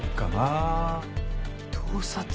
盗撮。